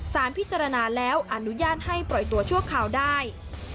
สารพิจารณาแล้วอนุญาตให้ปล่อยตัวชั่วคราวได้